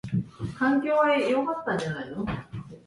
It is built from large timbers square.